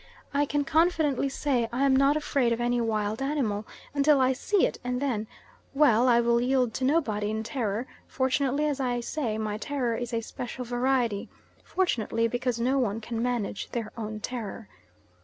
I can confidently say I am not afraid of any wild animal until I see it and then well I will yield to nobody in terror; fortunately as I say my terror is a special variety; fortunately, because no one can manage their own terror.